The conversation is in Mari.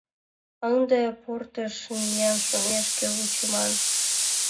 А ынде портыш миен шумешке вучыман.